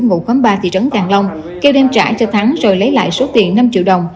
ngụ khóm ba thị trấn càng long kêu đem trả cho thắng rồi lấy lại số tiền năm triệu đồng